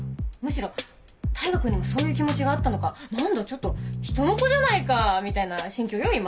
むしろ大牙君にもそういう気持ちがあったのか何だちょっと人の子じゃないかみたいな心境よ